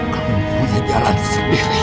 kamu punya jalan sendiri